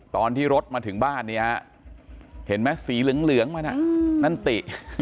ตอนที่รถมาถึงบ้านเนี่ยเห็นไหมสีเหลืองมันนั่นติ